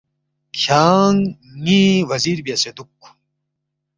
کھیانگ ن٘ی وزیر بیاسے دُوک